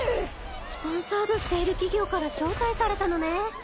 スポンサードしている企業から招待されたのね。